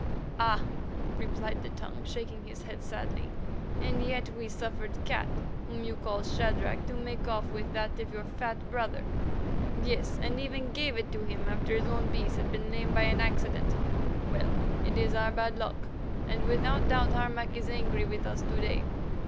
"Ah!" replied the Tongue, shaking his head sadly, "and yet we suffered Cat, whom you call Shadrach, to make off with that of your fat brother; yes, and even gave it to him after his own beast had been lamed by accident. Well, it is our bad luck, and without doubt Harmac is angry with us to day.